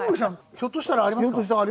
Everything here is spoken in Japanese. ひょっとしたらありますよ。